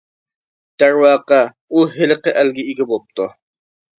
دەرۋەقە، ئۇ ھېلىقى ئەلگە ئىگە بوپتۇ.